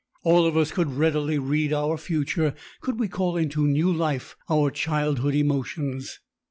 All of us could readily read our future could we call into new life our childhood emotions.